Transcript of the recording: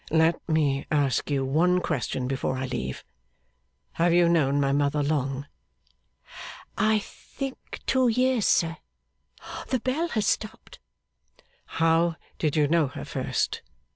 'Let me ask you one question before I leave. Have you known my mother long?' 'I think two years, sir, The bell has stopped.' 'How did you know her first?